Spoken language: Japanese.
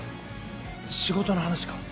仕事の話か？